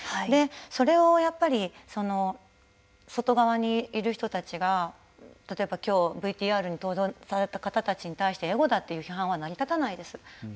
それをやっぱり外側にいる人たちが例えば、きょうＶＴＲに登場された方たちに対してエゴだという批判は成り立たないです。